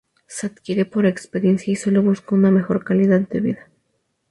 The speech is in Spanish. Se adquiere por experiencia y solo busca una mejor calidad de vida.